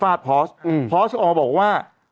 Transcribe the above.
เพราะเกรสเนี่ยออกมาฟาดพอร์สพอร์สก็ออกมาบอกว่า